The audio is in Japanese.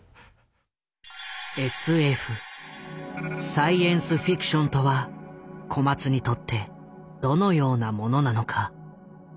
サイエンス・フィクションとは小松にとってどのようなものなのか。